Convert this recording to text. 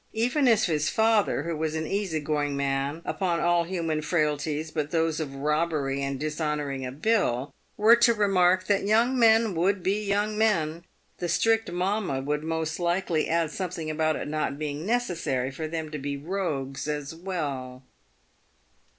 Even if his father, who was an easy going man upon all human frailties but those of robbery and dishonouring a bill, were to remark that young men would be young men, the strict mamma would most likely add something about it not being necessary for them to be rogues as well.